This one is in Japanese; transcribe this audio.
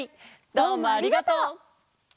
どうもありがとう！